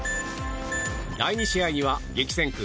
第２試合には激戦区